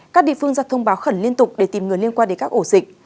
các địa phương ra thông báo khẩn liên tục để tìm người liên quan đến các ổ dịch